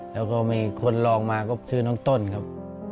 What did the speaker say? แล้วก็มีคนลองมาก็ชื่อน้องต้นครับ